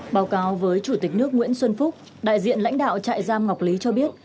báo cáo với chủ tịch nước nguyễn xuân phúc đại diện lãnh đạo trại giam ngọc lý cho biết